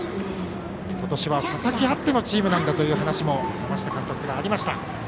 今年は佐々木あってのチームなんだという話も山下監督からはありました。